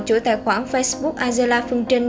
chủ tài khoản facebook angela phương trinh